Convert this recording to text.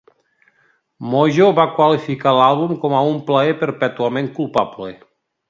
"Mojo" va qualificar l'àlbum com a "un plaer perpètuament culpable"